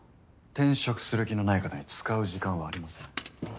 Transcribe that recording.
転職する気のない方に使う時間はありません。